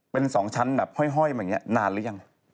เป็นสองชั้นแบบห้อยแบบนี้นานหรือยัง